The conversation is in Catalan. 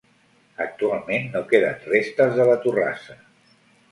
Actualment no queden restes de la torrassa.